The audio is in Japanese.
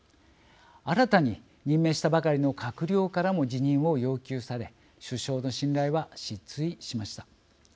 新たに任命したばかりの閣僚からも辞任を要求され首相の信頼は失墜しました。